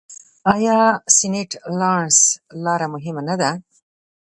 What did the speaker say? آیا سینټ لارنس لاره مهمه نه ده؟